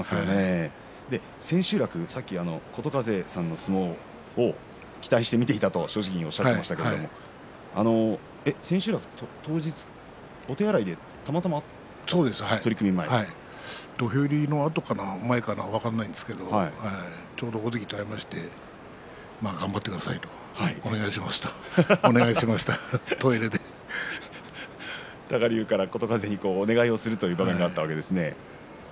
千秋楽、さっき琴風さんの相撲を期待して見ていたと正直におっしゃいましたけれども千秋楽当日お手洗いでたまたま会った土俵入りのあとかな前かな分からないんですけれどもちょうど大関がいまして頑張ってくださいとお願いしますと多賀竜から琴風にお願いする場面があったんですね。